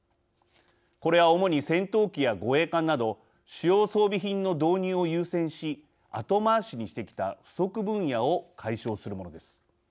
これは主に戦闘機や護衛艦など主要装備品の導入を優先し後回しにしてきた不足分野を解消するものです。